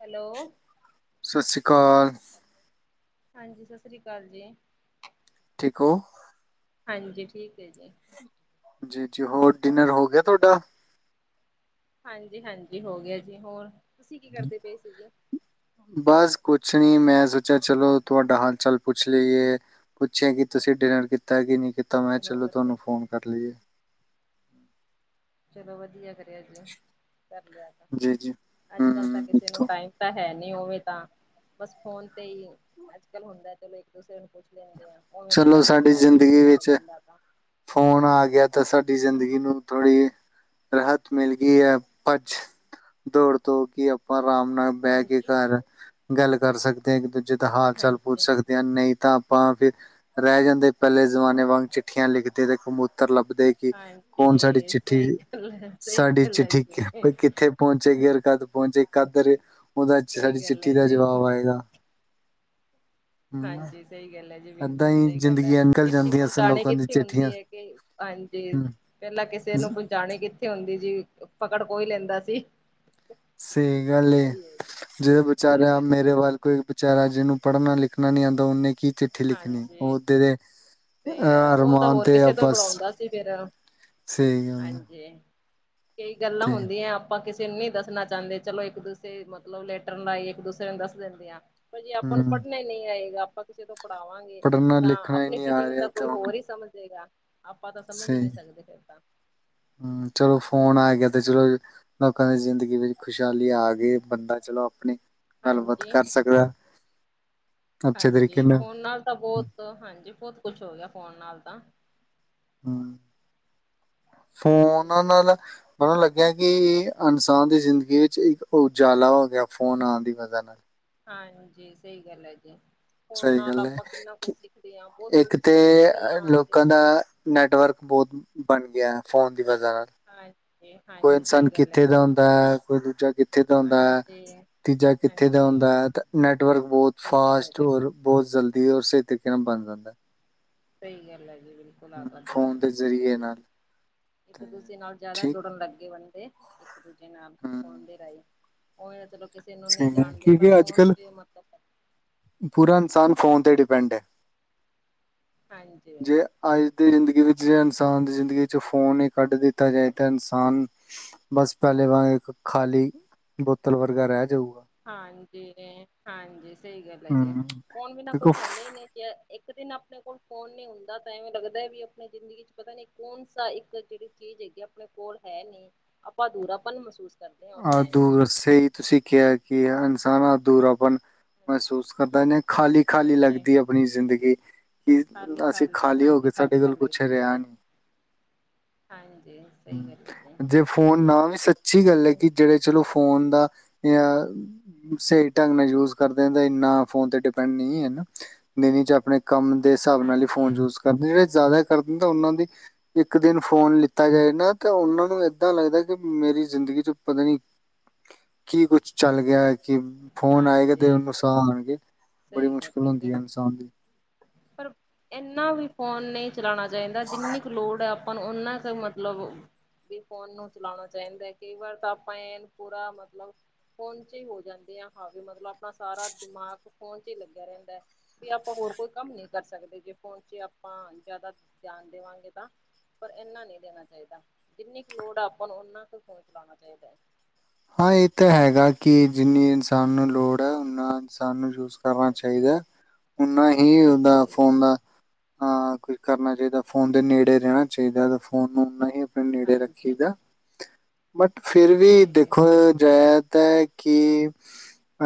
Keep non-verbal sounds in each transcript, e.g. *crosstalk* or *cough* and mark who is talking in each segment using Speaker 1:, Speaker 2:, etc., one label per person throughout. Speaker 1: Hello
Speaker 2: ਸਤਿ ਸ਼੍ਰੀ ਅਕਾਲ।
Speaker 1: ਹਾਂਜੀ, ਸਤਿ ਸ਼੍ਰੀ ਅਕਾਲ ਜੀ।
Speaker 2: ਠੀਕ ਹੋ
Speaker 1: ਹਾਂਜੀ, ਠੀਕ ਹੈ ਜੀ।
Speaker 2: ਜੀ ਜੀ ਹੋਰ ਡਿਨਰ ਹੋ ਗਿਆ ਤੁਹਾਡਾ?
Speaker 1: ਹਾਂਜੀ ਹਾਂਜੀ ਹੋ ਗਿਆ ਜੀ। ਹੋਰ ਤੁਸੀਂ ਕੀ ਕਰਦੇ ਪਏ ਸੀ ਜੀ?
Speaker 2: ਬਸ ਕੁਛ ਨੀ ਮੈਂ ਸੋਚਿਆ ਚਲੋ ਤੁਹਾਡਾ ਹਾਲ ਚਾਲ ਪੁੱਛ ਲਈਏ। ਪੁੱਛਿਆ ਕਿ ਤੁਸੀਂ ਡਿਨਰ ਕੀਤਾ ਕਿ ਨਹੀਂ ਕੀਤਾ, ਮੈਂ ਚਲੋ ਤੁਹਾਨੂੰ ਫੋਨ ਕਰ ਲਈਏ।
Speaker 1: ਚਲੋ ਵਧੀਆ ਕਰਿਆ ਜੇ ਕਰ ਲਿਆ ਤਾਂ
Speaker 2: ਜੀ ਜੀ
Speaker 1: ਅੱਜ ਕੱਲ੍ਹ ਤਾਂ
Speaker 2: ਹੂੰ
Speaker 1: ਕਿਸੇ ਨੂੰ
Speaker 2: ਤੋ
Speaker 1: ਟਾਈਮ ਤਾਂ ਹੈ ਨਹੀਂ ਓਵੇਂ ਤਾਂ ਬਸ ਫੋਨ ਤੇ ਹੀ ਅੱਜ ਕੱਲ੍ਹ ਹੁੰਦਾ ਚਲੋ ਇੱਕ ਦੂਸਰੇ ਨੂੰ ਪੁੱਛ ਲੈਂਦੇ ਆ ਉਵੇਂ ਤਾਂ
Speaker 2: ਚਲੋ
Speaker 1: ਟਾਈਮ
Speaker 2: ਸਾਡੀ
Speaker 1: ਹੈ ਨੀ ਕਿਸੇ
Speaker 2: ਜ਼ਿੰਦਗੀ
Speaker 1: ਨੂੰ
Speaker 2: ਵਿੱਚ
Speaker 1: ਮਿਲਣ ਦਾ ਤਾਂ
Speaker 2: ਫੋਨ ਆ ਗਿਆ ਤਾਂ ਸਾਡੀ ਜ਼ਿੰਦਗੀ ਨੂੰ ਥੋੜ੍ਹੀ ਏ ਰਾਹਤ ਮਿਲ ਗਈ ਹੈ ਭੱਜ ਦੌੜ ਤੋਂ ਕਿ ਆਪਾਂ ਆਰਾਮ ਨਾਲ ਬਹਿ ਕੇ
Speaker 1: ਹਾਂਜੀ
Speaker 2: ਘਰ ਗੱਲ ਕਰ ਸਕਦੇ ਹ ਇੱਕ ਦੂਜੇ ਦਾ ਹਾਲ ਚਾਲ ਪੁੱਛ
Speaker 1: ਹਾਂਜੀ
Speaker 2: ਸਕਦੇ ਨਹੀਂ ਤਾਂ ਆਪਾਂ ਫਿਰ ਰਹਿ ਜਾਂਦੇ ਪਹਿਲੇ ਜ਼ਮਾਨੇ ਵਾਂਗ ਚਿੱਠੀਆਂ ਲਿਖਦੇ ਤੇ ਕਮੂਤਰ ਲੱਭਦੇ ਕਿ ਕੌਣ ਸਾਡੀ
Speaker 1: ਹਾਂਜੀ
Speaker 2: ਚਿੱਠੀ
Speaker 1: ਸਹੀ ਗੱਲ ਹੈ ਸਹੀ
Speaker 2: ਸਾਡੀ
Speaker 1: ਗੱਲ ਹੈ
Speaker 2: ਚਿੱਠੀ
Speaker 1: ਜੀ
Speaker 2: ਕਿੱਥੇ ਪਹੁੰਚੇਗੀ ਔਰ ਕਦ ਪਹੁੰਚੇਗੀ ਕਾਦਰ ਉਹ ਦਾ
Speaker 1: ਸਹੀ
Speaker 2: ਸਾਡੀ
Speaker 1: ਗੱਲ
Speaker 2: ਚਿੱਠੀ
Speaker 1: ਹੈ
Speaker 2: ਦਾ
Speaker 1: ਜੀ
Speaker 2: ਜਵਾਬ ਆਏਗਾ ਹਮ
Speaker 1: ਹਾਂਜੀ ਸਹੀ ਗੱਲ ਏ
Speaker 2: ਏਦਾਂ
Speaker 1: ਬਿਲਕੁਲ
Speaker 2: ਹੀ
Speaker 1: ਸਹੀ ਗੱਲ ਹੈ
Speaker 2: ਜ਼ਿੰਦਗੀਆਂ ਨਿਕਲ
Speaker 1: ਚਿੱਠੀ
Speaker 2: ਜਾਂਦੀਆਂ ਸਨ
Speaker 1: ਪਹੁੰਚਾਣੀ
Speaker 2: ਲੋਕਾਂ ਦੀ
Speaker 1: ਕਿੱਥੇ
Speaker 2: ਚਿੱਠੀਆਂ
Speaker 1: ਹੁੰਦੀ ਹੈ ਕਿ ਹਾਂਜੀ
Speaker 2: ਹਮ,
Speaker 1: ਪਹਿਲਾਂ ਕਿਸੇ
Speaker 2: ਜ਼-
Speaker 1: ਪਹੁੰਚਾਣੀ ਕਿੱਥੇ ਹੁੰਦੀ ਜੀ ਪਕੜ ਕੋਈ ਲੈਂਦਾ ਸੀ
Speaker 2: ਸਹੀ ਗੱਲ ਏ
Speaker 1: ਆਈ ਹੈ ਜੀ
Speaker 2: ਜੇ
Speaker 1: ਸਹੀ
Speaker 2: ਵਿਚਾਰਾ
Speaker 1: ਗੱਲ ਹੈ
Speaker 2: ਮੇਰੇ
Speaker 1: ਜੀ
Speaker 2: ਵੱਲ ਕੋ ਵਿਚਾਰਾ ਜਿਹਨੂੰ ਪੜ੍ਹਨਾ ਲਿਖਣਾ ਨੀ ਆਂਦਾ ਉਹ ਨੇ ਕੀ ਚਿੱਠੀ ਲਿਖਣੀ
Speaker 1: ਹਾਂਜੀ
Speaker 2: ਓਦੇ ਦੇ
Speaker 1: ਸਹੀ ਹੈ
Speaker 2: ਅਹ
Speaker 1: ਉਹ ਤਾਂ
Speaker 2: ਰਮਾਨ
Speaker 1: ਹੋਰ
Speaker 2: ਤੇ ਆ
Speaker 1: ਕਿਸੇ ਤੋਂ
Speaker 2: ਬਸ
Speaker 1: ਪੜਾਉਂਦਾ ਸੀ ਫਿਰ
Speaker 2: ਸਹੀ ਗੱਲ ਆ
Speaker 1: ਹਾਂਜੀ ਕਈ ਗੱਲਾਂ ਹੁੰਦੀਆਂ ਆ ਆਪਾਂ ਕਿਸੇ ਨੂੰ ਨਹੀਂ ਦੱਸਣਾ ਚਾਹੁੰਦੇ ਚਲੋ ਇੱਕ ਦੂਸਰੇ ਮਤਲਬ ਲੈਟਰ ਲਾਈ ਇੱਕ ਦੂਸਰੇ ਨੂੰ ਦੱਸ ਦਿੰਦੇ ਆ ਪਰ ਜੇ ਆਪਾਂ ਨੂੰ
Speaker 2: ਹਮ
Speaker 1: ਪੜ੍ਹਨਾ ਹੀ ਨਹੀਂ ਆਏਗਾ ਆਪਾਂ ਕਿਸੇ ਤੋਂ ਪੜਾਵਾਂਗੇ
Speaker 2: ਪੜ੍ਹਨਾ
Speaker 1: ਤਾਂ
Speaker 2: ਲਿਖਣਾ ਹੀ
Speaker 1: ਆਪਣੀ
Speaker 2: ਨਹੀਂ ਆ
Speaker 1: ਫਿਟਿੰਗ ਤਾਂ
Speaker 2: ਰਿਹਾ ਤੇ
Speaker 1: ਕੋਈ
Speaker 2: ਹੁਣ
Speaker 1: ਹੋਰ ਈ ਸਮਝ ਜਾਏਗਾ ਆਪਾਂ ਤਾਂ ਸਮਝ ਈ ਨੀ ਸਕਦੇ ਫਿਰ ਤਾਂ
Speaker 2: ਹੂੰਮ ਚਲੋ ਫੋਨ
Speaker 1: ਸਹੀ
Speaker 2: ਆ ਗਿਆ
Speaker 1: ਹੈਗਾ
Speaker 2: ਤੇ ਚਲੋ ਲੋਕਾਂ ਦੀ ਜ਼ਿੰਦਗੀ ਵਿੱਚ ਖੁਸ਼ਹਾਲੀ ਆ ਗਈ ਬੰਦਾ ਚਲੋ ਆਪਣੇ
Speaker 1: ਹਾਂਜੀ
Speaker 2: ਅੱਛੇ ਤਰੀਕੇ
Speaker 1: ਹਾਂਜੀ ਫੋਨ ਨਾਲ ਤਾਂ ਬਹੁਤ ਤੋਂ ਹਾਂਜੀ ਬਹੁਤ ਕੁਛ ਹੋ ਗਿਆ ਫੋਨ ਨਾਲ ਤਾਂ
Speaker 2: ਹੂੰਮ ਫੋਨ
Speaker 1: ਸਹੀ ਹੈ
Speaker 2: ਨਾਲ
Speaker 1: ਜੀ
Speaker 2: ਹੁਣ ਲੱਗਿਆ ਕਿ ਇਨਸਾਨ ਦੀ ਜ਼ਿੰਦਗੀ ਵਿੱਚ ਇੱਕ ਉਜਾਲਾ ਹੋ ਗਿਆ ਫੋਨ ਆਣ ਦੀ ਵਜ੍ਹਾ ਨਾਲ
Speaker 1: ਹਾਂਜੀ ਸਹੀ ਗੱਲ ਆ ਜੀ ਫ਼ੋਨ
Speaker 2: ਸਹੀ
Speaker 1: ਨਾਲ
Speaker 2: ਗੱਲ ਹੈ
Speaker 1: ਆਪਾਂ ਕਿੰਨਾ ਕੁਛ
Speaker 2: ਕਿ
Speaker 1: ਸਿੱਖਦੇ ਆ ਬਹੁਤ ਕੁਛ
Speaker 2: ਇੱਕ ਤੇ
Speaker 1: ਸਿੱਖਦੇ ਵੀ ਆ ਤੇ
Speaker 2: ਲੋਕਾਂ ਦਾ ਨੈਟਵਰਕ ਬਹੁਤ ਬਣ ਗਿਆ ਫ਼ੋਨ ਦੀ ਵਜ੍ਹਾ ਨਾਲ
Speaker 1: ਹਾਂ
Speaker 2: ਕੋਈ ਇਨਸਾਨ ਕਿੱਥੇ ਦਾ ਹੁੰਦਾ ਹੈ ਕੋਈ ਦੂਜਾ ਕਿੱਥੇ ਦਾ ਹੁੰਦਾ ਹੈ
Speaker 1: ਹਾਂਜੀ
Speaker 2: ਤੀਜਾ ਕਿੱਥੇ ਦਾ
Speaker 1: ਹਾਂਜੀ
Speaker 2: ਹੁੰਦਾ ਤਾਂ ਨੈੱਟਵਰਕ ਬਹੁਤ
Speaker 1: ਸਹੀ ਗੱਲ ਹੈ
Speaker 2: ਫਾਸਟ
Speaker 1: ਜੀ
Speaker 2: ਔਰ ਬਹੁਤ ਜਲਦੀ ਓਸੇ ਤਰੀਕੇ ਨਾਲ਼ ਬਣ ਜਾਂਦਾ ਐ
Speaker 1: ਸਹੀ ਗੱਲ ਹੈ ਜੀ ਬਿਲਕੁਲ ਆ ਤੁਹਾਡੀ ਗੱਲ
Speaker 2: ਫੋਨ ਦੇ
Speaker 1: ਬਿਲਕੁਲ
Speaker 2: ਜ਼ਰੀਏ
Speaker 1: ਸਹੀ ਹੈ
Speaker 2: ਨਾਲ
Speaker 1: ਇੱਕ
Speaker 2: ਤੇ
Speaker 1: ਦੂਜੇ ਨਾਲ਼ ਜ਼ਿਆਦਾ
Speaker 2: ਠੀਕ
Speaker 1: ਜੁੜਨ ਲਾਗੇ ਬੰਦੇ ਇੱਕ ਦੂਜੇ ਨਾਲ
Speaker 2: ਹਮ,
Speaker 1: ਫ਼ੋਨ ਦੇ ਰਾਹੀਂ ਉਵੇ ਚਲੋ ਕਿਸੇ ਨੂੰ
Speaker 2: ਸਹੀ
Speaker 1: ਨਹੀਂ
Speaker 2: ਹੈ
Speaker 1: ਜਾਣਦੇ ਪਰ
Speaker 2: ਕਿਉਂਕਿ ਅੱਜ
Speaker 1: ਫੋਨ
Speaker 2: ਕੱਲ
Speaker 1: ਚ ਮਤਲਬ
Speaker 2: ਪੂਰਾ ਇਨਸਾਨ ਫੋਨ ਤੇ ਡਿਪੈਂਡ ਏ
Speaker 1: ਹਾਂਜੀ।
Speaker 2: ਜੇ ਅੱਜ ਦੀ ਜਿੰਦਗੀ ਵਿੱਚ ਜੇ ਇਨ ਸਾਨ ਦੀ ਜ਼ਿੰਦਗੀ ਚੋਂ ਫੋਨ ਈ ਕੱਢ ਦਿੱਤਾ ਜਾਏ ਤਾਂ ਇਨਸਾਨ ਬਸ ਪੈਲੇ ਵਾਂਗ ਇੱਕ ਖਾਲੀ ਬੋਤਲ ਵਰਗਾ ਰੈਜੂ।
Speaker 1: ਹਾਂਜੀ-ਹਾਂਜੀ ਸਈ ਗੱਲ ਏਜੀ।
Speaker 2: ਹਮ
Speaker 1: ਫੋਨ ਬਿਨਾਂ ਕੁਛ ਹੁੰਦਾ
Speaker 2: ਦੇਖੋ
Speaker 1: ਈ ਨੀਂ। ਇੱਕ ਦਿਨ ਅਪਨੇ ਕੋਲ ਫੋਨ ਨੀਂ ਹੁੰਦਾ ਤਾਂ ਐਵੇਂ ਲੱਗਦਾ ਵੀ ਅਪਨੀ ਜ਼ਿੰਦਗੀ ਚ ਪਤਾ ਨੀਂ ਕੌਣ ਸਾ ਇਕ ਜੇੜੀ ਚੀਜ ਹੈਗੀ ਅਪਨੇ ਕੋਲ ਹੈ ਨੀਂ, ਆਪਾਂ ਅਧੂਰਾਪਨ ਮਸੂਸ
Speaker 2: ਆ ਦੂਰ ਸਈ ਤੁਸੀ ਕੇਆ ਕਿ ਇਨਸਾਨ ਅਧੂਰਾਪਣ ਮਹਿਸੂਸ ਕਰਦੈ ਖਾਲੀ ਖਾਲੀ
Speaker 1: ਹਾਂਜੀ,
Speaker 2: ਲੱਗਦੀ ਅਪਨੀ ਜ਼ਿੰਦਗੀ। ਕਿ
Speaker 1: ਖਾਲੀ
Speaker 2: ਅਸੀ ਖਾਲੀ
Speaker 1: ਹਾਂਜੀ
Speaker 2: ਹੋਗੇ, ਸਾਡੇ
Speaker 1: ਖਾਲੀ
Speaker 2: ਕੋਲ
Speaker 1: ਖਾਲੀ
Speaker 2: ਕੁੱਛ
Speaker 1: ਲੱਗਦੀ ਹੈ
Speaker 2: ਰੇਆ
Speaker 1: ਜੀ।
Speaker 2: ਨੀਂ।
Speaker 1: ਹਾਂਜੀ। ਸਹੀ ਗੱਲ ਹੈ ਜੀ।
Speaker 2: ਜੇ ਫੋਨ ਨਾ ਵੀ ਸੱਚੀ ਗੱਲ ਐ ਕਿ ਜੇੜੇ ਚਲੋ ਫੋਨ ਦਾ ਯਾ ਸਈ ਢੰਗ ਨਾਲ ਯੂਜ ਕਰਦੇ ਤਾਂ ਏਨਾ ਫੋਨ ਤੇ ਡਿਪੈਂਡ ਨੀਂ ਹੈਨਾ, ਨਈਂ ਦਿਨ ਚ ਅਪਨੇ ਕੰਮ ਦੇ ਹਿਸਾਬ ਨਾਲ ਹੀ
Speaker 1: ਹਾਂਜੀ,
Speaker 2: ਫੋਨ ਯੂਜ ਕਰਦੇ, ਜੇੜੇ ਜਾਦਾ ਕਰਦੇ ਓਨਾਂ ਦੀ ਇੱਕ ਦਿਨ ਫੋਨ ਤਾ ਜਾਏ ਨਾ ਤੇ ਓਨਾ ਨੂੰ ਇਦਾਂ ਲੱਗਦਾ ਕਿ ਮੇਰੀ ਜ਼ਿੰਦਗੀ ਚੋਂ ਪਤਾ ਨੀ ਕੀ ਕੁੱਛ ਚੱਲ ਗਯਾ। ਕਿ ਫੋਨ ਆਏਗਾ
Speaker 1: ਹਾਂਜੀ
Speaker 2: ਤੇ ਓਨੂੰ ਸਾਹ ਆਨਗੇ, ਬੜੀ
Speaker 1: ਸਹੀ ਗੱਲ
Speaker 2: ਮੁਸ਼ਕਿਲ
Speaker 1: ਹੈ ਜੀ।
Speaker 2: ਹੁੰਦੀ ਐ ਇਨਸਾਨ ਦੀ।
Speaker 1: ਪਰ ਏਨਾ ਵੀ ਫੋਨ ਨਈਂ ਚਲਾਣਾ ਚਾਈਂਦਾ, ਜਿੰਨੀ ਕਿ ਲੋੜ ਐ ਆਪਾਂ ਨੂੰ ਓਨਾ ਕੁ ਮਤਲਬ ਵੀ ਫੋਨ ਨੂੰ ਚਲਾਣਾ ਚਾਈਦੈ, ਕਈ ਵਾਰ ਤਾਂ ਆਪਾਂ ਐ ਪੂਰਾ ਮਤਲਬ ਫੋਨ ਚ ਈ ਹੋ ਜਾਂਨੇਆਂ, ਹਾਵੇ ਮਤਲਬ ਅਪਨਾ ਸਾਰਾ ਦਿਮਾਗ ਫੋਨ ਚ ਈਂ ਲੱਗੇਆ ਰੈਂਦੈ। ਤੇ ਆਪਾਂ ਹੋਰ ਕੋਈ ਕੰਮ ਨੀਂ ਕਰ ਸਕਦੇ ਜੇ ਫੋਨ ਚ ਆਪਾਂ ਜਾਦਾ ਧਿਆਨ ਦੇਵਾਂਗੇ ਤਾਂ। ਪਰ ਏਨਾ ਨੀਂ ਦੇਣਾ ਚਾਈਂਦੈ, ਜਿੰਨੀ ਕੁ ਲੋੜ ਐ ਆਪਾਂ ਨੂੰ ਓਨਾ ਕੁ ਫੋਨ ਚਲਾਉਣਾ ਚਾਈਦੈ।
Speaker 2: ਹਾਂ ਏ ਤਾ ਹੈਗਾ, ਕਿ ਜਿੰਨੀ ਇਨਸਾਨ ਨੂੰ ਲੋੜ ਐ ਓਨਾ ਇਨਸਾਨ ਨੂੰ ਯੂਜ ਕਰਨਾ
Speaker 1: ਹਾਂਜੀ
Speaker 2: ਚਾਹੀਦੈ, ਓਨਾ ਹੀ ਓਦਾ
Speaker 1: ਸਹੀ ਗੱਲ
Speaker 2: ਫੋਨ ਦਾ ਹਾਂ ਕੁਝ ਕਰਨਾ ਚਾਈਦੈ, ਫੋਨ ਦੇ ਨੇੜੇ ਰੈਣਾ ਚਾਈਦੈ। ਫੋਨ ਨੂੰ ਨਹੀ ਨੇੜੇ ਰੱਖੀ
Speaker 1: ਹਾਂਜੀ
Speaker 2: ਦਾ ਬਟ, ਫੇਰ ਵੀ
Speaker 1: ਸਹੀ
Speaker 2: ਦੇ
Speaker 1: ਗੱਲ ਹੈ ਜੀ।
Speaker 2: *unintelligible* ਕਿ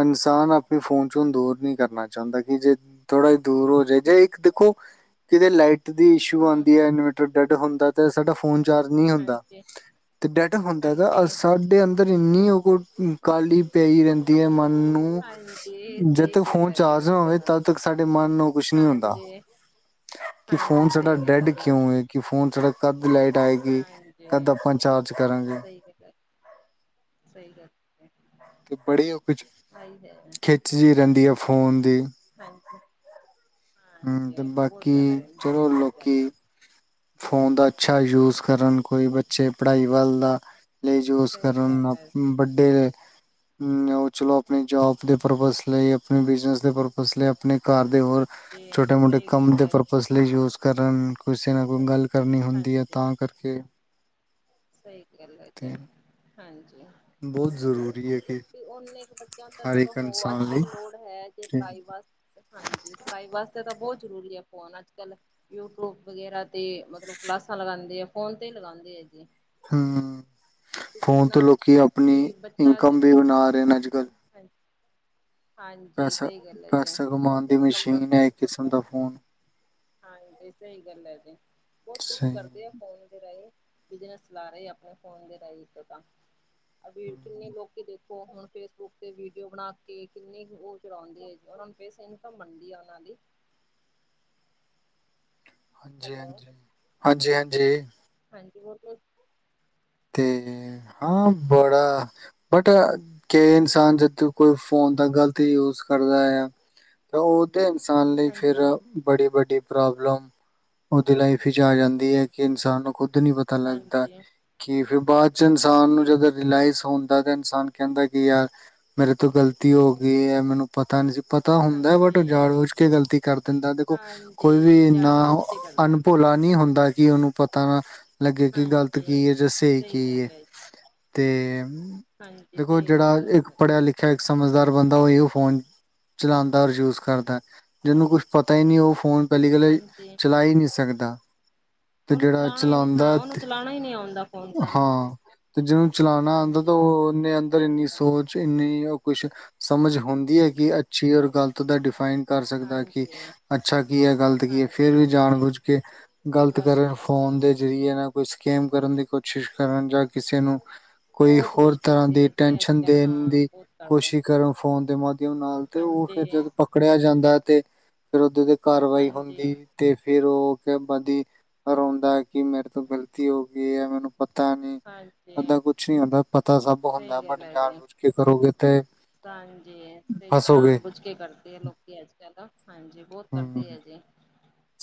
Speaker 2: ਇਨਸਾਨ ਅਪਨੇ ਫੋਨ ਚੋਂ ਦੂਰ ਨੀਂ ਕਰਨਾ ਚਾਂਦਾ ਕਿ ਜੇ ਥੋੜਾ ਜਾ ਦੂਰ ਹੋਜੇ ਜੇ ਇੱਕ ਦੇਖੋ ਕਿਤੇ ਲਾਈਟ ਦੀ ਇਸ਼ੂ
Speaker 1: ਹਾਂ,
Speaker 2: ਆਂਦੀ ਐ ਇਨਵੇਰਟਰ ਡੈੱਡ ਹੁੰਦਾ ਤਾਂ ਸਾਡਾ ਫੋ ਫੋਨ ਚਾਰਜ ਨੀਂ ਹੁੰਦਾ
Speaker 1: ਹਾਂਜੀ
Speaker 2: ਤੇ ਡੈਡ ਹੁੰਦਾ ਨਾ।
Speaker 1: ਹਾਂਜੀ
Speaker 2: ਸਾਡੇ ਅੰਦਰ ਏਨੀ ਓ ਕੋ ਕਾਹਲੀ ਪਈ ਰੈਂਦੀ ਐ ਮਨ ਨੂੰ,
Speaker 1: ਹਾਂਜੀ
Speaker 2: ਜਦ
Speaker 1: ਸਹੀ
Speaker 2: ਤੱਕ
Speaker 1: ਗੱਲ
Speaker 2: ਫੋਨ
Speaker 1: ਹੈ ਜੀ
Speaker 2: ਚਾਰਜ ਨਾ
Speaker 1: ਬਿਲਕੁਲ
Speaker 2: ਹੋਵੇ ਤਦ ਤੱਕ ਸਾਡੇ ਮਨ ਨੂੰ ਕੁਛ ਨਹੀਂ ਹੁੰਦਾ
Speaker 1: ਹਾਂਜੀ।
Speaker 2: ਕਿ ਫੋਨ
Speaker 1: ਹਾਂਜੀ
Speaker 2: ਸਾਡਾ
Speaker 1: ਸਹੀ ਗੱਲ
Speaker 2: ਡੈਂਡ
Speaker 1: ਹੈ ਜੀ
Speaker 2: ਕਿਉਂਏ?
Speaker 1: ਬਿਲਕੁਲ
Speaker 2: ਕਿ ਫੋਨ ਸਾਡਾ ਕਦ ਲਾਈਟ ਆਏਗੀ, ਕਦ ਆਪਾਂ ਚਾਰਜ ਕਰਾਂਗੇ।
Speaker 1: ਠੀਕੈ। ਸਈ ਗੱਲ ਏ।
Speaker 2: ਤੇ ਬੜੀ ਉਹ ਕੁ
Speaker 1: ਹੈ
Speaker 2: ਖਿੱਚ ਜੀ
Speaker 1: ਪਰ
Speaker 2: ਰੈਂਦੀ ਆ ਫੋਨ ਦੀ।
Speaker 1: ਹਾਂਜੀ।
Speaker 2: ਹੂੰ, ਤੇ
Speaker 1: ਹਾਂਜੀ ਬਹੁਤ ਜ਼ਿਆਦਾ
Speaker 2: ਬਾਕੀ
Speaker 1: ਰਹਿੰਦੀ ਹੈ
Speaker 2: ਚਲੋ
Speaker 1: ਬਹੁਤ ਜ਼ਿਆਦਾ
Speaker 2: ਲੋਕੀ ਫੋਨ ਦਾ ਅੱਛਾ ਯੂਜ ਕਰਨ, ਕੋਈ ਬੱਚੇ ਪੜ੍ਹਾਈ ਵੱਲ ਦਾ ਲਈ ਯੂਸ
Speaker 1: ਸਹੀ ਗੱਲ
Speaker 2: ਕਰਨ,
Speaker 1: ਹੈ
Speaker 2: ਵੱਡੇ ਓ ਚਲੋ ਅਪਨੇ ਜੋਬ ਦੇ ਪਰਪਸ ਲਈ, ਅਪਨੇ ਬਿਜਨਸ ਦੇ ਪਰਪਸ ਲਈ। ਅਪਨੇ ਘਰ ਦੇ ਹੋਰ
Speaker 1: ਹਾਂਜੀ
Speaker 2: ਛੋਟੇ ਮੋਟੇ
Speaker 1: ਸਹੀ
Speaker 2: ਕੰਮ
Speaker 1: ਗੱਲ
Speaker 2: ਦੇ
Speaker 1: ਹੈ
Speaker 2: ਪਰਪਸ ਲਈ ਯੂਜ ਕਰਨ ਕਿਸੇ ਨਾਲ ਕੋਈ ਗੱਲ ਕਰਨੀ ਹੁੰਦੀ ਏ
Speaker 1: ਹਾਂਜੀ
Speaker 2: ਤਾਂ ਕਰਕੇ।
Speaker 1: ਸਹੀ ਗੱਲ ਹੈ ਤੇ ਹਾਂਜੀ। ਸਹੀ
Speaker 2: ਬੋਤ
Speaker 1: ਗੱਲ ਹੈ।
Speaker 2: ਜ਼ਰੂਰੀ ਏ।
Speaker 1: *unintelligible* ਬੱਚਿਆਂ ਤਾਂ ਚਲੋ ਹੋ ਅੱਜ
Speaker 2: ਲਈ
Speaker 1: ਕੱਲ ਲੋੜ ਹੈ ਜੇ
Speaker 2: ਤੇ
Speaker 1: ਪੜ੍ਹਾਈ ਬੱਸ *unintelligible* ਹਾਂਜੀ ਪੜ੍ਹਾਈ ਵਾਸਤੇ ਤਾਂ ਬਹੁਤ ਜ਼ਰੂਰੀ ਏ ਫੋਨ ਅੱਜ ਕੱਲ ਯੂ ਟਿਊਬ ਵਗੈਰਾ ਤੇ ਮਤਲਬ ਕਲਾਸਾਂ ਲਗਾਂਦੇ ਆ ਫੋਨ ਤੇ ਲਗਾਂਦੇ ਏ ਜੀ
Speaker 2: ਹੁ
Speaker 1: ਵੀ
Speaker 2: ਫੋਨ ਤੋਂ
Speaker 1: ਕਿੰਨਾ
Speaker 2: ਲੋਕੀ ਅਪਨੀ
Speaker 1: ਵੀ ਬੱਚਾ ਜੇ
Speaker 2: ਇਨਕਮ ਵੀ ਬਨਾ ਰਹੇ ਨੇ ਅੱਜ ਕੱਲ
Speaker 1: ਹਾਂਜੀ। *unintelligible* ਹਾਂਜੀ
Speaker 2: ਪੈਸਾ
Speaker 1: ਸਹੀ ਗੱਲ ਹੈ ਜੇ
Speaker 2: ਪੈਸਾ ਕਮਾਉਣ
Speaker 1: ਬੋਤ
Speaker 2: ਦੀ
Speaker 1: ਇਨਕਮ ਦਾ
Speaker 2: ਮਸ਼ੀਨ ਹੈ
Speaker 1: ਬੋਤ
Speaker 2: ਇੱਕ ਕਿਸਮ
Speaker 1: ਮਤਲਬ
Speaker 2: ਦਾ ਫੋਨ
Speaker 1: ਹਾਂਜੀ ਸਹੀ ਗੱਲ ਹੈ ਜੀ ਬੋਤ ਕੁਛ
Speaker 2: ਸਹੀ
Speaker 1: ਕਰਦੇ ਆ। ਫੋਨ ਦੇ ਰਾਹੀਂ ਬਿਜਨਸ ਚਲਾ ਰਹੇ ਆਪਣੇ ਫੋਨ ਦੇ ਰਾਹੀਂ ਤੋ ਤਾਂ। ਅਭੀ ਕਿੰਨੇ ਲੋਕ ਦੇਖੋ ਹੁਣ ਫੇਸਬੁੱਕ ਤੇ ਵੀਡੀਓ ਬਣਾ ਕੇ ਕਿੰਨੇ ਕੁ ੳਹ ਚਲਾਉਦੇ ਏ ਉਹਨਾਂ ਨੂੰ ਪੈਸ ਇਨਕਮ ਬਣਦੀ ਆ ਉਹਨਾਂ ਦੀ।
Speaker 2: ਹਾਂਜੀ
Speaker 1: ਹੈਲੋ
Speaker 2: ਹਾਂਜੀ ਹਾਂਜੀ ਹਾਂਜੀ।
Speaker 1: ਹਾਂਜੀ ਹੋਰ ਫੇਰ।
Speaker 2: ਤੇ ਹਾਂ ਬੜਾ ਬਟ ਕੇ ਇਨਸਾਨ ਜਦੋਂ ਕੋਈ ਫੋਨ ਦਾ ਗ਼ਲਤ ਯੂਜ ਕਰਦਾ। ਤੇ ਉਹ ਤੇ ਇਨਸਾਨ ਲਈ ਫਿਰ
Speaker 1: ਹਾਂਜੀ
Speaker 2: ਬੜੀ ਵੱਡੀ ਪ੍ਰੋਬਲਮ ਉਹਦੀ ਲਾਈਫ ਇਚ ਆ ਜਾਂਦੀ ਹੈ ਕਿ ਇਨਸਾਨ ਨੂੰ ਖੁਦ ਨੀ ਪਤਾ ਲੱਗਦਾ
Speaker 1: ਹਾਂਜੀ।
Speaker 2: ਕਿ ਫਿਰ ਬਾਅਦ ਚ ਇਨਸਾਨ ਨੂੰ
Speaker 1: ਹਾਂਜੀ
Speaker 2: ਜੇ ਅਗਰ ਰਿਲਾਈਜ਼ ਹੋਂਦਾਗਾ ਇਨਸਾਨ ਕਹਿੰਦਾ ਕਿਆ ਮੇਰੇ ਤੋਂ ਗ਼ਲਤੀ ਹੋ ਗਈ ਏ ਮਨੂੰ ਪਤਾ ਨਹੀਂ ਸੀ ਪਤਾ ਹੁੰਦਾ ਬਟ ਉਹ ਜਾਣ
Speaker 1: ਹਾਂਜੀ
Speaker 2: ਬੂਝ ਕੇ ਗਲਤੀ ਕਰ ਦਿੰਦਾ ਦੇਖੋ ਕੋਈ ਵੀ
Speaker 1: ਹਾਂਜੀ
Speaker 2: ਇੰਨਾ
Speaker 1: ਜਾਨ ਬੁਝ ਕੇ ਕਰਦੇ ਆ
Speaker 2: ਅਨਭੋਲਾ ਨਹੀਂ ਹੁੰਦਾ ਕਿ ਉਹਨੂੰ ਪਤਾ ਨਾ ਲੱਗੇ ਕਿ ਗ਼ਲਤ
Speaker 1: ਹਾਂਜੀ
Speaker 2: ਕੀ ਏ ਜਾਂ ਸਹੀ ਕੀ ਏ
Speaker 1: ਗੱਲ ਹੈ ਜੀ,
Speaker 2: ਤੇ
Speaker 1: ਹਾਂਜੀ
Speaker 2: ਦੇਖੋ
Speaker 1: ਸਹੀ ਪਤਾ
Speaker 2: ਜੇਹੜਾ ਇੱਕ
Speaker 1: ਗੱਲ,
Speaker 2: ਪੜ੍ਹਿਆ ਲਿਖਿ ਜਿਹੜਾ ਇਕ ਸਮਝਦਾਰ ਬੰਦਾ ੳਹੀਉ ਫੋਨ ਚਲਾਂਦਾ ਔਰ ਯੂਜ ਕਰਦਾ। ਜਿਹਨੂੰ ਕੁਛ ਪਤਾ ਈ ਨਹੀਂ ਉਹ ਫ਼ੋਨ ਪਹਿਲੀ ਗੱਲ ਏ
Speaker 1: ਹਾਂਜੀ
Speaker 2: ਚਲਾ ਈ ਨਹੀਂ ਸਕਦਾ। ਤੇ
Speaker 1: ਉਹਨੂੰ
Speaker 2: ਜਿਹੜਾ
Speaker 1: ਚਲਾਣਾ ਹੀ ਨੀ ਹਾਂ
Speaker 2: ਚਲਾਉਂਦਾ
Speaker 1: ਉਹਨੂੰ
Speaker 2: ਤੇ
Speaker 1: ਚਲਾਣਾ ਹੀ ਨੀ ਆਉਂਦਾ। ਫੋਨ ਤਾਂ
Speaker 2: ਹਾਂ ਤੇ ਜਿਹਨੂੰ ਚਲਾਣਾ ਆਂਦਾ ਤ
Speaker 1: ਹਾਂਜੀ
Speaker 2: ਉਹਨੇ ਅੰਦਰ
Speaker 1: ਸਹੀ
Speaker 2: ਇੰਨੀ
Speaker 1: ਗੱਲ
Speaker 2: ਸੋਚ ਇੰਨੀ ਉਹ ਕੁਸ਼ ਸਮਜ ਹੁੰਦੀ ਹੈ ਕਿ ਅੱਛੀ ਔਰ ਗਲਤ ਦਾ ਡਿਫਾਈਨ ਕਰ ਸਕਦਾ ਕਿ
Speaker 1: ਹਾਂਜੀ
Speaker 2: ਅੱਛਾ ਕੀ ਹੈ ਗ਼ਲਤ ਕੀ ਹੈ
Speaker 1: ਹਾਂਜੀ
Speaker 2: ਫੇਰ ਵੀ ਜਾਣ
Speaker 1: ਹਾਂਜੀ
Speaker 2: ਬੁੱਝ ਕੇ ਗ਼ਲਤ
Speaker 1: ਪੂਰਾ
Speaker 2: ਕਰਨ
Speaker 1: ਕੀ
Speaker 2: ਫੋਨ ਦੇ ਜ਼ਰੀਏ ਨਾ ਕੋਈ ਸਕੈਮ ਕਰਨ ਦੀ ਕੋਸ਼ਿਸ਼ ਕਰਨ ਜਾਂ ਕਿਸੇ ਨੂੰ ਕੋਈ
Speaker 1: ਬਹੁਤ ਕੁਛ
Speaker 2: ਹੋਰ ਤਰ੍ਹਾਂ
Speaker 1: ਕਰਦੇ ਹੈ
Speaker 2: ਦੀ
Speaker 1: ਜੀ ਅੱਜ
Speaker 2: ਟੈਨਸ਼ਨ
Speaker 1: ਕੱਲ੍ਹ
Speaker 2: ਦੇਨ
Speaker 1: ਹਾਂ
Speaker 2: ਦੀ
Speaker 1: ਬਹੁਤ ਕਰਦੇ
Speaker 2: ਕੋਸ਼ਿਸ਼ ਕਰਨ ਫੋਨ ਦੇ ਮਾਧਿਅਮ ਨਾਲ। ਤੇ ਉਹ ਫਿਰ
Speaker 1: ਹਾਂਜੀ
Speaker 2: ਜਦ ਪਕੜਿਆ ਜਾਂਦਾ ਤੇ ਫਿਰ ਓਦੇ ਤੇ ਕਾਰਵਾਈ
Speaker 1: ਹਾਂਜੀ
Speaker 2: ਹੁੰਦੀ ਤੇ ਫਿਰ ਉਹ ਕੇ ਬਦੀ ਰੋਂਦਾ ਕਿ ਮੇਰ ਤੋਂ ਗ਼ਲਤੀ ਹੋ ਗਈ ਏ ਮੈਨੂੰ ਪਤਾ ਨੀ
Speaker 1: ਹਾਂਜੀ
Speaker 2: ਐਦਾ ਕੁਛ ਨੀ ਹੁੰਦਾ ਪਤਾ ਸਭ ਹੁੰਦਾ
Speaker 1: ਸਹੀ ਗੱਲ
Speaker 2: ਬਟ
Speaker 1: ਹੈ ਜੀ
Speaker 2: ਜਾਣ ਬੁਝ ਕੇ ਕਰੋਗੇ ਤੇ
Speaker 1: ਹਾਂਜੀ ਤੇ
Speaker 2: ਫਸੋਗੇ
Speaker 1: ਜਾਣ ਬੁਝ ਕੇ ਕਰਦੇ ਆ ਲੋਕ। ਕੇ ਅੱਜ ਕੱਲ ਨਾ ਹਾਂਜੀ ਬੋਤ
Speaker 2: ਹੂੰ
Speaker 1: ਕਰਦੇ ਏ ਜੀ।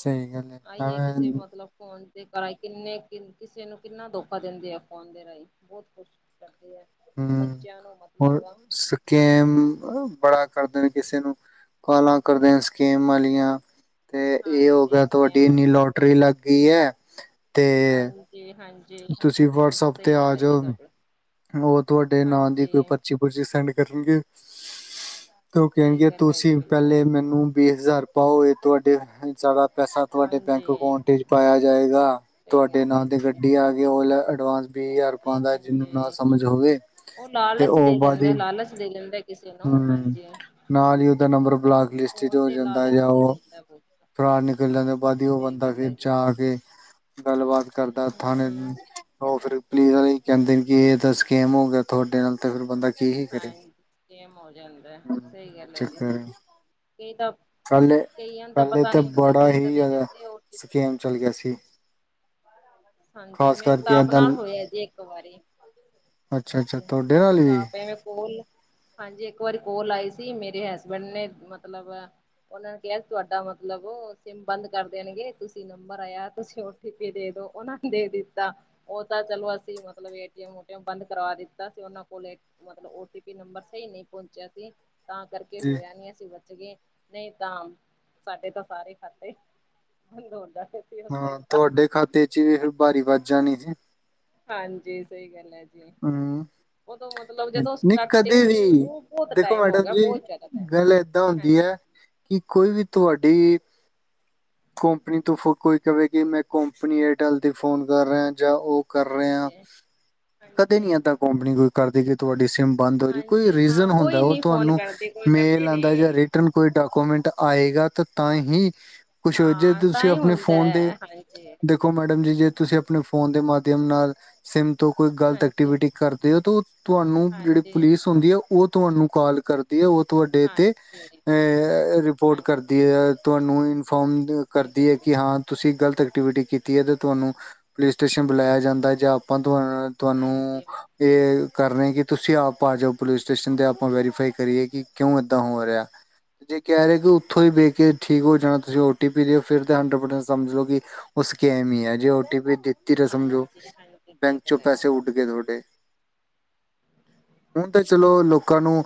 Speaker 2: ਸਹੀ ਗੱਲ। ਹੈ
Speaker 1: ਆਈਏ
Speaker 2: ਐਵੇਂ
Speaker 1: ਕਿਸੇ ਨੂੰ ਅਪਨਾ ਫੋਨ ਤੇ ਕਿੰਨੇ ਕਿਸੇ ਨੂੰ ਕਿੰਨਾ ਧੋਖਾ ਦੇਂਦੇ ਆ ਫੋਨ ਦੇ ਰਾਹੀਂ ਬੋਤ ਕੁਛ ਕਰਦੇ ਆ।
Speaker 2: ਹੁ
Speaker 1: ਬੱਚਿਆਂ ਨੂੰ
Speaker 2: ਹੁਨ
Speaker 1: ਮਤਲਬ
Speaker 2: ਸਕੇਮ ਬੜਾ ਕਰਦੇ ਨੇ ਕਿਸੇ ਨੂੰ ਕਾਲਾਂ ਕਰਦੇ ਨੇ ਸਕੇਮ ਆਲੀਆਂ। ਤੇ ਏ
Speaker 1: ਹਾਂਜੀ
Speaker 2: ਹੋਗਿਆ
Speaker 1: ਸਕੈਮ
Speaker 2: ਤੁਹਾਡੀ ਇੰਨੀ
Speaker 1: ਵਾਲੇ ਕਰਦੇ ਆ
Speaker 2: ਲੋਟਰੀ ਲੱਗ ਗਈ ਏ।
Speaker 1: ਹਾਂਜੀ ਹਾਂਜੀ ਹਾਂਜੀ ਸਹੀ
Speaker 2: ਤੇ ਆ
Speaker 1: ਗੱਲ ਹੈ ਜੀ
Speaker 2: ਜਾਓ
Speaker 1: ਤੁਹਾਡੀ।
Speaker 2: ਉਹ ਤੁਹਾਡੇ ਨਾਂ ਦੀ
Speaker 1: ਹਾਂਜੀ
Speaker 2: ਕੋਈ ਪਰਚੀ ਪੁਰਚੀ ਸੈਂਡ ਕਰਲਦੀਏ। ਤੇ ਉਹ
Speaker 1: ਸਹੀ
Speaker 2: ਕਹਿਣਗੇ
Speaker 1: ਗੱਲ ਹੈ ਜੀ
Speaker 2: ਤੁਸੀਂ ਪਹਿਲੇ
Speaker 1: ਬਿਲਕੁਲ
Speaker 2: ਮੈਨੂੰ ਵੀਹ ਹਜ਼ਾਰ ਪਾਓ ਇਹ ਤੁਹਾਡੇ ਸਾਰਾ ਪੈਸਾ ਤੁਹਾਡੇ
Speaker 1: ਹਾਂਜੀ
Speaker 2: ਬੈਂਕ ਅਕਾਊਂਟ ਚ ਪਾਇਆ ਜਾਏਗਾ।
Speaker 1: ਸਹੀ
Speaker 2: ਤੁਹਾਡੇ
Speaker 1: ਗੱਲ ਹੈ
Speaker 2: ਨਾਂ ਤੇ
Speaker 1: ਜੀ
Speaker 2: ਗੱਡੀ ਆਗੀ ਓ ਲੈ ਅਡਵਾਂਸ ਵੀਹ ਹਜ਼ਾਰ
Speaker 1: ਹਾਂਜੀ
Speaker 2: ਪਾਂਦਾ ਜਿਹਨੂੰ ਨਾ
Speaker 1: ਹਾਂਜੀ
Speaker 2: ਸਮਝ ਹੋਵੇ ਤੇ ਉਹ ਬਾਅਦ ਈ
Speaker 1: ਪਹਿਲਾਂ
Speaker 2: ਹਮ ਨਾਲ ਹੀ ਉਹਦਾ ਨੰਬਰ ਬਲਾਕ ਲਿਸਟ ਚ
Speaker 1: ਫੋਨ
Speaker 2: ਹੋ
Speaker 1: ਤੇ
Speaker 2: ਜਾਂਦਾ
Speaker 1: ਲਾਲਚ
Speaker 2: ਜਾਂ
Speaker 1: ਦੇ
Speaker 2: ਉਹ
Speaker 1: ਦਿੰਦਾ ਬਹੁਤ
Speaker 2: ਫਰਾੜ ਨਿਕਲ ਜਾਂਣ ਤੋਂ
Speaker 1: ਹਾਂਜੀ
Speaker 2: ਬਾਅਦ ਹੀ ਉਹ
Speaker 1: ਸਹੀ
Speaker 2: ਬੰਦਾ
Speaker 1: ਗੱਲ
Speaker 2: ਫਿਰ
Speaker 1: ਹੈ ਜੀ
Speaker 2: ਜਾ ਕੇ ਗੱਲਬਾਤ ਕਰਦਾ ਥਾਣੇ।
Speaker 1: ਹਮ
Speaker 2: ਉਹ ਫਿਰ ਪੁਲਿਸ ਵਾਲੇ ਹੀ ਕਹਿੰਦੇ ਨੇ ਕਿ ਇਹ ਤਾਂ ਸਕੇਮ ਹੋ ਗਿਆ ਤੁਹਾਡੇ ਨਾਲ ਤੇ ਫਿਰ ਬੰਦਾ ਕੀ ਹੀ ਕਰੇ।
Speaker 1: ਗੇਮ ਹੋ ਜਾਂਦਾ ਸਹੀ
Speaker 2: ਇਹ
Speaker 1: ਗੱਲ ਹੈ ਜੀ।
Speaker 2: ਚੱਕਰ
Speaker 1: ਕਈ ਤਾਂ
Speaker 2: ਪਹਿਲੇ
Speaker 1: ਕਈਆਂ ਨੂੰ ਤਾਂ ਪਤਾ ਨਹੀਂ ਹੁੰਦਾ ਕਈ ਤਾਂ ਦੇ ਦਿੰਦੇ ਓ ਟ ਪ
Speaker 2: ਗੇਮ ਚੱਲ ਗਿਆ ਸੀ।
Speaker 1: ਹਾਂਜੀ
Speaker 2: ਖਾਸ
Speaker 1: ਮੇਰੇ
Speaker 2: ਕਰਕੇ
Speaker 1: ਤਾ ਆਪ
Speaker 2: ਏਦਾਂ
Speaker 1: ਨਾਲ ਹੋਇਆ ਜੀ ਇੱਕ ਵਾਰੀ।
Speaker 2: ਅੱਛਾ ਅੱਛਾ
Speaker 1: ਹਾਂਜੀ
Speaker 2: ਤੁਹਾਡੇ ਨਾਲ
Speaker 1: ਮੈਨੂੰ ਤਾਂ
Speaker 2: ਵੀ
Speaker 1: ਆ ਪਏ ਹੋਏ ਕੋਲ ਹਾਂਜੀ ਇੱਕ ਵਾਰੀ ਕੋਲ ਆਈ ਸੀ ਮੇਰੇ ਹਸਬੈਂਡ ਨੇ ਮਤਲਬ ਉਹਨਾਂ ਨੇ ਕਿਹਾ ਤੁਹਾਡਾ ਮਤਲਬ ਸਿੰਮ ਬੰਦ ਕਰ ਦੇਣਗੇ ਤੁਸੀਂ ਨੰਬਰ ਆਇਆ ਤੁਸੀਂ ਓ ਟ ਓ ਟੀ ਪੀ ਦੇ ਦੋ ਉਹਨਾ ਨੇ ਦੇ ਦਿੱਤਾ ਤਾਂ ਚਲੋ ਅਸੀਂ ਮਤਲਬ ਏ ਟੀ ਅਮ ਬੰਦ ਕਰਵਾ ਦਿੱਤਾ ਸੀ ਉਹਨਾਂ ਕੋਲੇ ਮਤਲਬ ਓਟੀ ਪੀ ਨੰਬਰ ਸਹੀ ਨਹੀਂ ਪਹੁੰਚਿਆ ਸੀ। ਤਾਂ ਕਰਕੇ
Speaker 2: ਜੀ
Speaker 1: ਹੋਇਆ ਨੀ ਅਸੀਂ ਨਹੀਂ ਤਾਂ ਸਾਡੇ ਤਾਂ ਸਾਰੇ ਖਾਤੇ ਬੰਦ ਸੀ ਉਸ
Speaker 2: ਹਾਂ
Speaker 1: ਟਾਈਮ ਤਾਂ
Speaker 2: ਤੁਹਾਡੇ ਖਾਤੇ ਚ ਵੀ ਫਿਰ ਬਾਹਾਰੀ ਵਜ ਜਾਣੀ ਸੀ।
Speaker 1: ਹਾਂਜੀ ਸਹੀ ਗੱਲ ਹੈ ਜੀ
Speaker 2: ਹਮ
Speaker 1: ਉਦੋਂ ਮਤਲਬ ਜਦੋਂ
Speaker 2: ਨਹੀਂ
Speaker 1: ਸਟਾਰਟਿੰਗ
Speaker 2: ਕਦੇ
Speaker 1: ਚ
Speaker 2: ਵੀ
Speaker 1: ਉਹ ਬਹੁਤ
Speaker 2: ਦੇਖੋ
Speaker 1: ਟਾਈਮ ਹੋ
Speaker 2: ਮੈਡਮ
Speaker 1: ਗਿਆ
Speaker 2: ਜੀ
Speaker 1: ਬਹੁਤ ਜ਼ਿਆਦਾ ਟਾਈਮ
Speaker 2: ਗੱਲ ਏਦਾਂ ਹੁੰਦੀ
Speaker 1: ਹਾਂਜੀ
Speaker 2: ਹੈ। ਕਿ ਕੋਈ ਵੀ ਤੁਹਾਡੀ ਕੰਪਨੀ ਤੋਂ ਕੋਈ ਕਵੇ ਮੈਂ ਕੰਪਨੀ ਏਅਰਟੈਲ ਤੇ ਫੋਨ ਕਰ ਰਿਹਾ ਜਾਂ ਉਹ ਕਰ ਰਹੇ ਆ
Speaker 1: ਹਾਂਜੀ
Speaker 2: ਕਦੇ ਨੀ
Speaker 1: ਹਾਂਜੀ
Speaker 2: ਏਦਾਂ ਕੰਪਨੀ ਕੋਈ ਕਰਦੀ ਕਿ ਤੁਹਾਡੀ ਸਿੰਮ ਬੰਦ ਹੋ ਰਹੀ ਕੋਈ
Speaker 1: ਹਾਂਜੀ ਹਾਂ
Speaker 2: ਰੀਜ਼ਨ ਹੁੰਦਾ
Speaker 1: ਕੋਈ
Speaker 2: ਉਹ
Speaker 1: ਨੀ ਫੋਨ
Speaker 2: ਤੁਹਾਨੂੰ
Speaker 1: ਕਰਦੀ ਕੋਈ ਕਰਦੀ
Speaker 2: ਮੇਲ ਆਉਂਦਾ ਜਾਂ
Speaker 1: ਨੀ
Speaker 2: ਰੀਟਿਨ ਕੋਈ ਡਾਕੂਮੈਂਟ ਆਏਗਾ ਤਾਂ ਹੀ ਕੁਛ ਜੇ
Speaker 1: ਹਾਂ ਤਾਂ
Speaker 2: ਤੁਸੀਂ
Speaker 1: ਹੀ
Speaker 2: ਆਪਣੇ
Speaker 1: ਹੁੰਦਾ
Speaker 2: ਫੋਨ
Speaker 1: ਹੈ
Speaker 2: ਦੇਖੋ
Speaker 1: ਹਾਂਜੀ
Speaker 2: ਦੇਖੋ ਮੈਡਮ ਜੀ ਜੇ ਤੁਸੀਂ ਆਪਣੇ ਫੋਨ ਦੇ ਮਾਧਿਅਮ ਨਾਲ ਸਿੰਮ ਤੋਂ ਕੋਈ ਗਲਤ
Speaker 1: ਹਾਂਜੀ
Speaker 2: ਐਕਟੀਵਿ ਕਰਦੇ ਹੋ ਤੁਹਾਨੂੰ ਜਿਹੜੀ
Speaker 1: ਹਾਂਜੀ
Speaker 2: ਪੁਲਿਸ ਹੁੰਦੀ ਆ ਉਹ ਤੁਹਾਨੂੰ ਕਾਲ ਕਰ ਦੀ ਉਹ ਤੁਹਾਡੇ ਤੇ
Speaker 1: ਹਾਂਜੀ
Speaker 2: ਅ ਰਿਪੋਰਟ
Speaker 1: ਹਾਂਜੀ
Speaker 2: ਕਰਦੀ ਹੈ ਤੁਹਾਨੂੰ ਇਨਫੋਮ
Speaker 1: ਸਹੀ
Speaker 2: ਕਰਦੀ
Speaker 1: ਗੱਲ
Speaker 2: ਹੈ
Speaker 1: ਜੀ
Speaker 2: ਕਿ ਹਾਂ ਤੁਸੀਂ ਗ਼ਲਤ ਐਕਟੀਵਿਟੀ ਕੀਤੀ ਹੈ ਤੇ ਤੁਹਾਨੂੰ ਪੁਲਿਸ ਸਟੇਸ਼ਨ ਬੁਲਾਇਆ ਜਾਂਦਾ ਹੈ ਜਾਂ ਆਪਾਂ ਤੁਹਾਨੂੰ
Speaker 1: ਹਾਂਜੀ
Speaker 2: ਇਹ ਕਰਨਗੇ ਕਿ ਤੁਸੀਂ ਆਪ ਆ ਜਾਓ ਪੁਲਿਸ ਸਟੇਸ਼ਨ ਤੇ ਆਪਾਂ ਵੈਰੀਫਾਈ ਕਰੀਏ ਕਿ ਕਿਉਂ ਏਦਾਂ ਹੋ ਰਿਹਾ ਤੇ ਜੇ ਕਹਿ ਰਹੇ ਕਿ ਉੱਥੋਂ ਦੀ ਵੇਖ ਕੇ ਠੀਕ ਹੋ ਜਾਣਾ ਤੁਸੀਂ ਓ ਟੀ ਪੀ ਦਿਉ ਫਿਰ ਤਾਂ ਹੰਡਰਡ ਪਰਸੈਂਟ ਸਮਝ ਲਓ ਕਿ ਉਹ ਸਕੈਮ ਹੀ ਹੈ ਜੇ ਓ ਟੀ ਪੀ ਫਿਰ ਸਮਝੋ
Speaker 1: ਹਾਂਜੀ ਹਾਂਜੀ ਸਹੀ
Speaker 2: ਬੈਂਕ ਚੋਂ
Speaker 1: ਗੱਲ ਹੈ ਜੀ
Speaker 2: ਪੈਸੇ ਉੱਡ ਗਏ ਤੁਹਾਡੇ ਹੁਣ ਤੇ ਚਲੋ ਲੋਕਾਂ ਨੂੰ